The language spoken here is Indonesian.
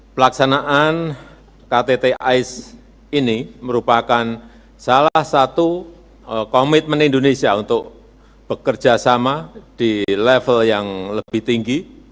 pelaksanaan ktt ais ini merupakan salah satu komitmen indonesia untuk bekerja sama di level yang lebih tinggi